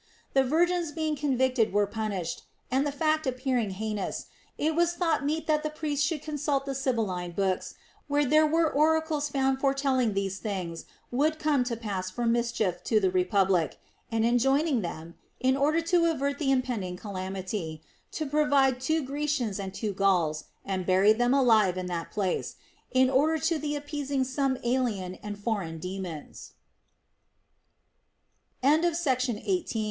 The virgins being convict were pun ished ; and the fact appearing heinous, it was thought meet that the priest should consult the Sibylline books, where there were oracles found foretelling these things would come to pass for mischief to the republic, and enjoining them — in order to avert the impending calamity — to pro vide two Grecians and two Gauls, and bury them alive in that place, in order to the appeasing some alie